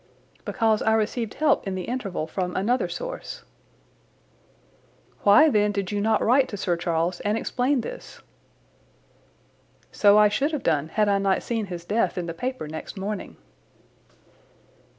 "Because I received help in the interval from another source." "Why then, did you not write to Sir Charles and explain this?" "So I should have done had I not seen his death in the paper next morning."